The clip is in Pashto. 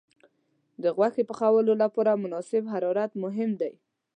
د غوښې پخولو لپاره مناسب حرارت مهم دی.